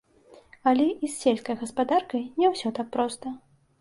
Але і з сельскай гаспадаркай не ўсё так проста.